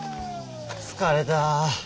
疲れた。